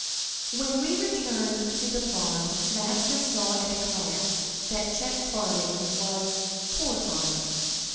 When we returned to the farm Master saw at a glance that Chet's farming was "poor farming."